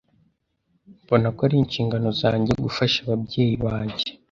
Mbona ko ari inshingano zanjye gufasha ababyeyi banjye.